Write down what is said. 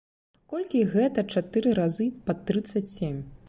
Колькі гэта чатыры разы па трыццаць сем?